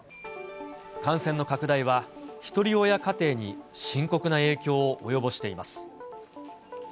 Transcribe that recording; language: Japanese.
感染の拡大は、ひとり親家庭に深刻な影響を及ぼしています。